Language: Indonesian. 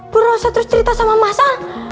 berusaha terus cerita sama masa